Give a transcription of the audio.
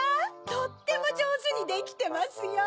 とってもじょうずにできてますよ！